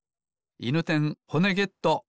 いぬてんほねゲット！